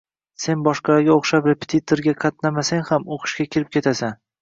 Sen boshqalarga o`xshab repetitorga qatnamasang ham, o`qishga kirib ketasan